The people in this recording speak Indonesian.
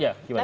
ya gimana sih